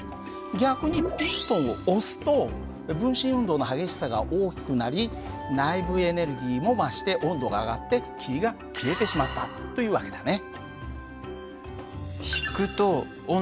逆にピストンを押すと分子運動の激しさが大きくなり内部エネルギーも増して温度が上がって霧が消えてしまったという訳だね。